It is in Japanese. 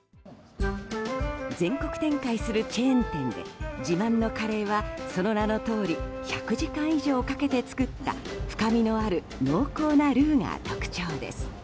全国展開するチェーン店で自慢のカレーはその名のとおり１００時間以上かけて作った深みのある濃厚なルーが特徴です。